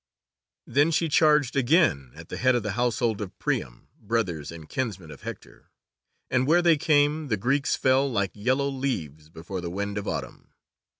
Then she charged again, at the head of the Household of Priam, brothers and kinsmen of Hector, and where they came the Greeks fell like yellow leaves before the wind of autumn.